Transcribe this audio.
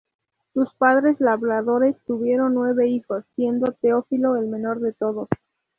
Sus padres labradores tuvieron nueve hijos, siendo Teófilo el menor de todos.